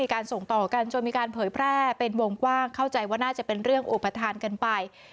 การส่งต่อกันจนมีการเผยแพร่เป็นวงกว้างเข้าใจว่าน่าจะเป็นเรื่องอุปทานกันไป